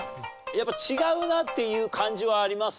やっぱ違うなっていう感じはあります？